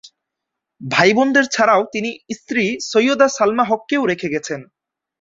ভাইবোনদের ছাড়াও তিনি স্ত্রী সৈয়দা সালমা হককে রেখে গেছেন।